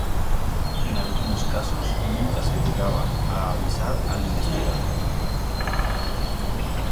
En algunos casos nunca se llegaba a avisar al investigador.